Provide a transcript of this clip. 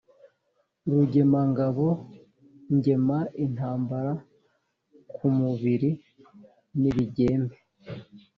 Rugemangabo ngema intambara ku mubili n'ibigembe